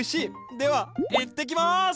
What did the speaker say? ではいってきます！